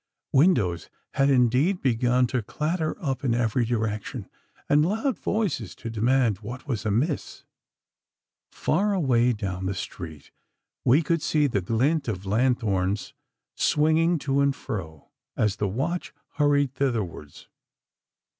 Windows had indeed begun to clatter up in every direction, and loud voices to demand what was amiss. Far away down the street we could see the glint of lanthorns swinging to and fro as the watch hurried thitherwards.